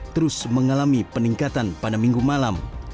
terus mengalami peningkatan pada minggu malam